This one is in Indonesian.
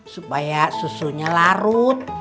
supaya susunya larut